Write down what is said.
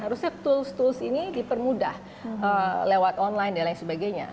harusnya tools tools ini dipermudah lewat online dan lain sebagainya